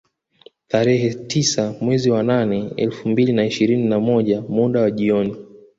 Tarehe tisa mwezi wa nane elfu mbili na ishirini na moja muda wa jioni